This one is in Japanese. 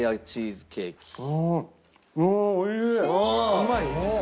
うまい？